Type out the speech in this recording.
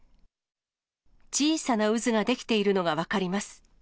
小さな渦が出来ているのが分かります。